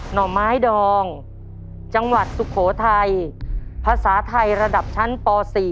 ห่อไม้ดองจังหวัดสุโขทัยภาษาไทยระดับชั้นป๔